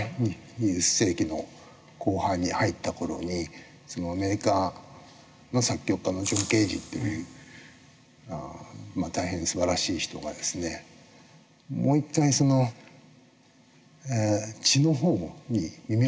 ２０世紀の後半に入った頃にアメリカの作曲家のジョン・ケージっていう大変すばらしい人がですねもう一回地の方に耳を傾けようと。